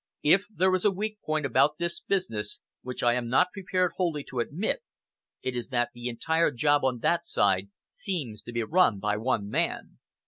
"If, there is a weak point about this business, which I am not prepared wholly to admit, it is that the entire job on that side seems to be run by one man.